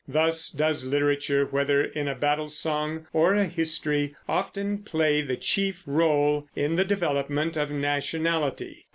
Thus does literature, whether in a battle song or a history, often play the chief role in the development of nationality.